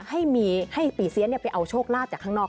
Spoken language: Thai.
ให้ปีเสียไปเอาโชคลาภจากข้างนอก